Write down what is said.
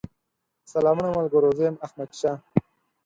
سلامونه ملګرو! زه يم احمدشاه